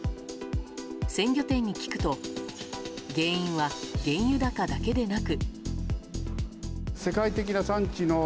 鮮魚店に聞くと原因は原油高だけでなく。